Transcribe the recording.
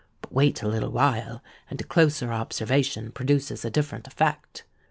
But wait a little while, and a closer observation produces a different effect.